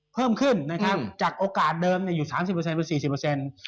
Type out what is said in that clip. เพิ่มขึ้นนะครับจากโอกาสเดิมอยู่๓๐เปอร์เซ็นต์หรือ๔๐เปอร์เซ็นต์